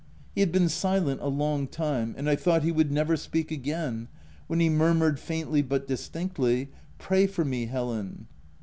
He had been silent a long time, and I thought he would never speak again, when he murmured, faintly but distinctly —" Pray for me, Helen